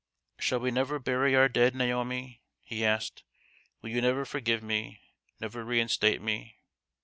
" Shall we never bury our dead, Naomi ?" he asked. " Will you never forgive me ? never reinstate me